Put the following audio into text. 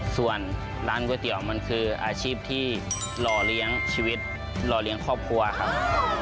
ส่วนร้านก๋วยเตี๋ยวมันคืออาชีพที่รอเลี้ยงชีวิตรอเลี้ยงครอบครัวครับ